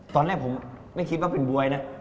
ตอนแรกผมไม่คิดว่าเป็นบ๊วยนะ